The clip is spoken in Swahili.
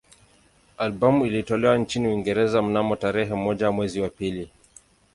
Albamu ilitolewa nchini Uingereza mnamo tarehe moja mwezi wa pili